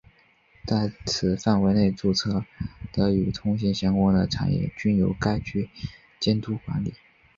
在此范围内注册的与通信相关的产业均由该局监督管理。